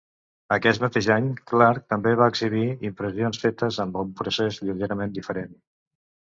Aquest mateix any Clark també va exhibir impressions fetes amb un procés lleugerament diferent.